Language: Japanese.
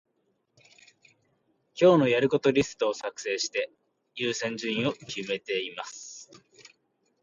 今日のやることリストを作成して、優先順位を決めます。